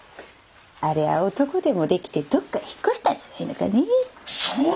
ありゃ男でも出来てどっかへ引っ越したんじゃないのかねえ。